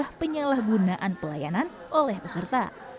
dan juga penyalahgunaan pelayanan oleh peserta